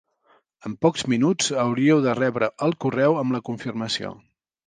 En pocs minuts hauríeu de rebre el correu amb la confirmació.